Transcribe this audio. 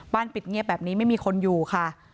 ปิดเงียบแบบนี้ไม่มีคนอยู่ค่ะ